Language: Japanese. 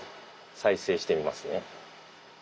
再生してみますね。